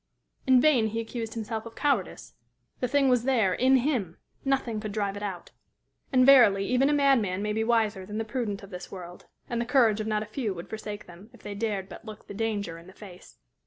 In vain he accused himself of cowardice the thing was there in him nothing could drive it out. And, verily, even a madman may be wiser than the prudent of this world; and the courage of not a few would forsake them if they dared but look the danger in the face.